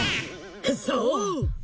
そう！